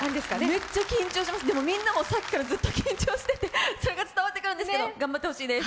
めっちゃ緊張します、でもみんながさっきからずっと緊張してて、それが伝わってくるんですけど頑張ってほしいです。